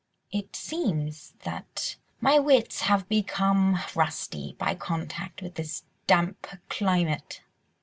It seems that my wits have become rusty by contact with this damp climate.